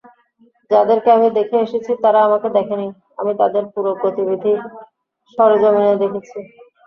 যাদেরকে আমি দেখে এসেছি তারা আমাকে দেখেনি, আমি তাদের পুরো গতিবিধি সরেজমিনে দেখেছি।